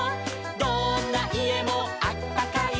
「どんないえもあったかい」